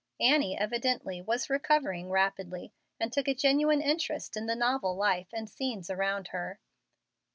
Annie, evidently, was recovering rapidly, and took a genuine interest in the novel life and scenes around her.